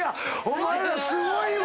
お前らすごいわ！